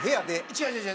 違う違う。